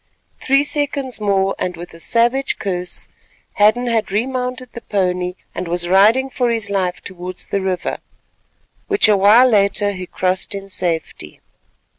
Three seconds more, and with a savage curse, Hadden had remounted the pony and was riding for his life towards the river, which a while later he crossed in safety.